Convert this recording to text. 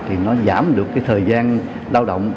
thì nó giảm được cái thời gian lao động